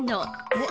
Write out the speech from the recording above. えっ。